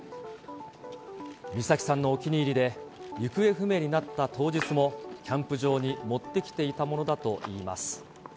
美咲さんのお気に入りで、行方不明になった当日も、キャンプ場に持ってきていたものだといいます。